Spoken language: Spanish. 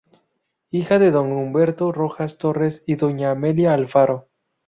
Hija de don Humberto Rojas Torres y doña Amelia Alfaro.